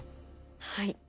はい。